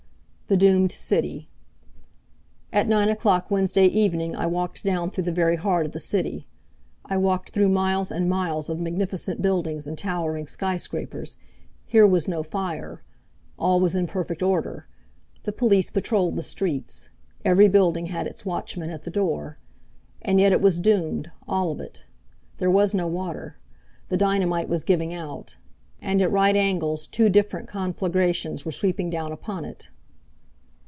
The Doomed City At nine o'clock Wednesday evening I walked down through the very heart of the city. I walked through miles and miles of magnificent buildings and towering skyscrapers. Here was no fire. All was in perfect order. The police patrolled the streets. Every building had its watchman at the door. And yet it was doomed, all of it. There was no water. The dynamite was giving out. And at right angles two different conflagrations were sweeping down upon it.